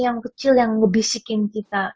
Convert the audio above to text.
yang kecil yang ngebisikin kita